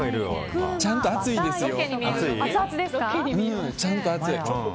ちゃんと熱いですよ。